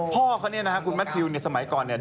พ่อเขาเนี่ยนะฮะคุณแมททิวเนี่ยสมัยก่อนเนี่ย